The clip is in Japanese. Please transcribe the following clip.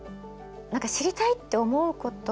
何か知りたいって思うこと。